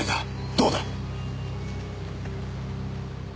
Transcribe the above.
どうだ？